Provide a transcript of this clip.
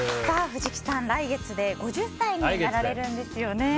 藤木さん、来月で５０歳になられるんですよね。